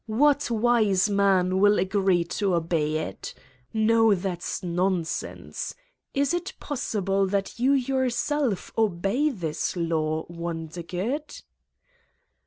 What wise man will agree to obey it? No, that's nonsense. Is it possible that you yourself obey this law, Wondergood?"